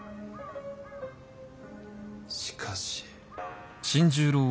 しかし。